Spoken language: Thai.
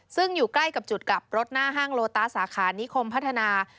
ซึ่งอยู่ใกล้กับจุดกลับรถหน้าห้างโลตัสสาขานิคมพัฒนา